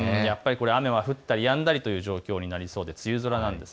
雨が降ったりやんだりという状況になりそうで梅雨空なんです。